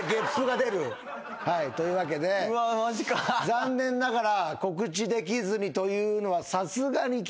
残念ながら。